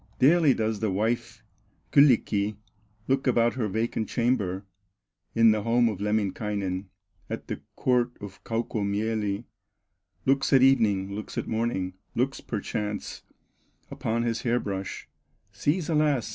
Daily does the wife Kyllikki Look about her vacant chamber, In the home of Lemminkainen, At the court of Kaukomieli; Looks at evening, looks at morning, Looks, perchance, upon his hair brush, Sees alas!